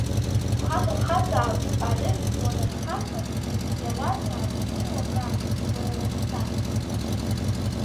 Ухагахазаап арыжәтә уанархага, иауазаап уи уагар, уеилаԥсар.